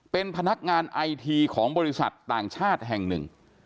เป็นพนักงานไอทีของบริษัทต่างชาติแห่งหนึ่ง